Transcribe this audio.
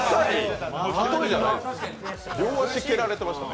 両足蹴られてましたね。